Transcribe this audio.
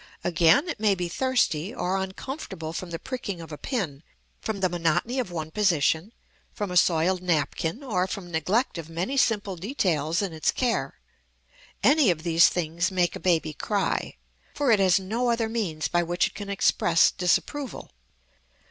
Again, it may be thirsty, or uncomfortable from the pricking of a pin, from the monotony of one position, from a soiled napkin, or from neglect of many simple details in its care. Any of these things make a baby cry, for it has no other means by which it can express disapproval.